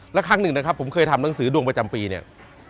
แล้วครั้งหนึ่งนะครับผมเคยทำหนังสือดวงประจำปีเนี่ย